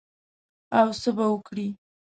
او څه به وکړې؟